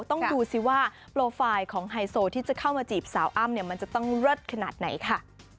ต้องดูสิว่าโปรไฟล์ของไฮโซที่จะเข้ามาจีบสาวอ้ำเนี่ยมันจะต้องเลิศขนาดไหนค่ะ